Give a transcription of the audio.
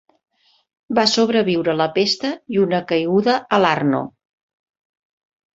Va sobreviure la pesta i una caiguda a l'Arno.